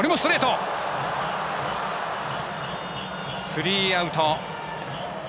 スリーアウト。